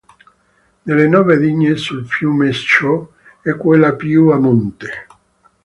Delle nove dighe sul fiume Shō, è quella più a monte.